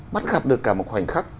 bắt gặp được cả một khoảnh khắc